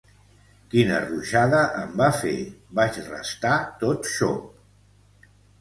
Quina ruixada em va fer: vaig restar tot xop.